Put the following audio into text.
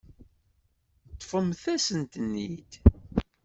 Ṭṭfemt-asen-ten-id.